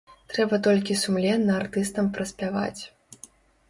Трэба толькі сумленна артыстам праспяваць.